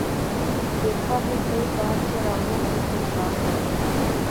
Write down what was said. دیکھا ہے کئی بار چراغوں کو بجھا کر